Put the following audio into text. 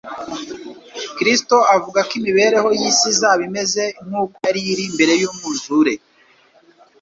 Kristo avuga ko imibereho y'isi izaba imeze nk'uko yari iri mbere y'umwuzure